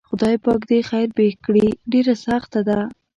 خدای پاک دې خیر پېښ کړي ډېره سخته ده.